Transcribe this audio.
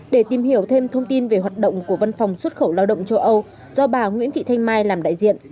để tìm hiểu thêm thông tin về hoạt động của văn phòng xuất khẩu lao động châu âu do bà nguyễn thị thanh mai làm đại diện